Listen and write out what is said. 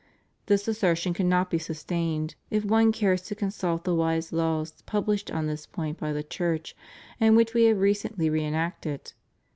This assertion cannot be sustained if one cares to consult the wise laws published on this point by the Church, and which We have recently re enacted.